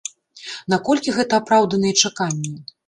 Наколькі гэта апраўданыя чаканні?